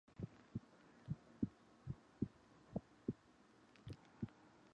It also allowed the Antarctic Circumpolar Current to flow, rapidly cooling the Antarctic continent.